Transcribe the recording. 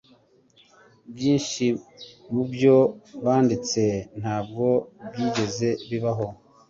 Byinshi mubyo banditse ntabwo byigeze bibaho.